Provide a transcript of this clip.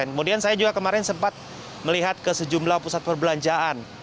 kemudian saya juga kemarin sempat melihat ke sejumlah pusat perbelanjaan